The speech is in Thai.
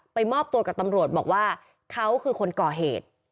มอบตัวกับตำรวจบอกว่าเขาคือคนก่อเหตุ